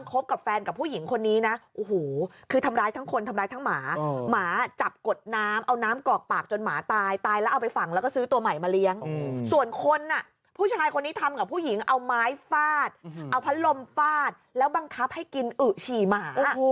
ทำกับผู้หญิงเอาไม้ฟาดเอาพันลมฟาดแล้วบังคับให้กินอึ๋อฉี่หมา